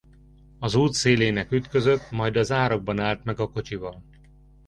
Az út szélének ütközött majd az árokban állt meg a kocsival.